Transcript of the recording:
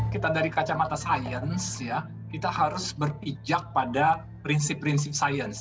kita dari kacamata sains ya kita harus berpijak pada prinsip prinsip sains